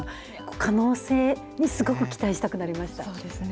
可能性にすごく期待したくなりまそうですね。